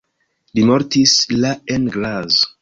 Li mortis la en Graz.